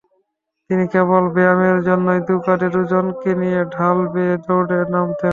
তিনি কেবল ব্যায়ামের জন্য দু’কাঁধে দু’জনকে নিয়ে ঢাল বেয়ে দৌড়ে নামতেন।